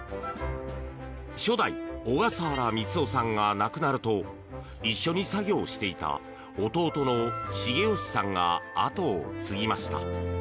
初代・小笠原光雄さんが亡くなると一緒に作業をしていた弟の茂好さんが後を継ぎました。